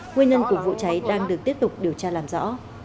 nguyên nhân của vụ cháy đang được tiếp tục điều tra làm rõ